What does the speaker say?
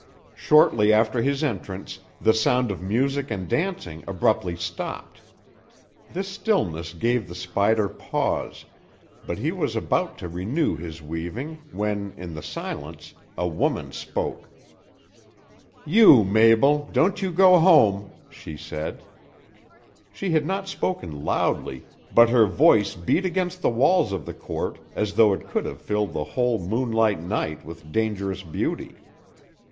Shortly after his entrance the sound of music and dancing abruptly stopped. This stillness gave the spider pause, but he was about to renew his weaving, when, in the silence, a woman spoke. "You, Mabel, don't you go home," she said. She had not spoken loudly, but her voice beat against the walls of the court as though it could have filled the whole moonlight night with dangerous beauty.